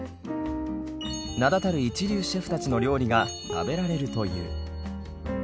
名だたる一流シェフたちの料理が食べられるという。